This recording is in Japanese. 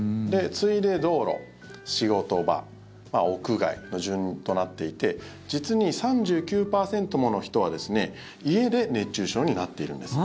次いで道路、仕事場屋外の順となっていて実に３９％もの人は家で熱中症になっているんです。